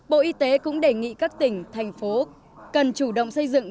bộ y tế cũng đề nghị các tỉnh thành phố cần chủ động xây dựng